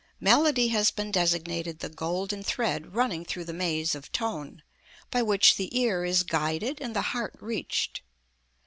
Melody has been designated the golden thread running through the maze of tone, by which the ear is guided and the heart reached.